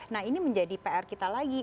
nah ini menjadi pr kita lagi